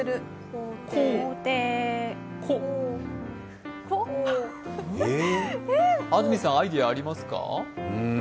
ここ安住さんアイデアありますか？